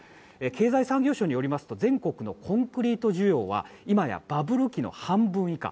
経済産業省によりますと全国のコンクリート需要は今やバブル期の半分以下。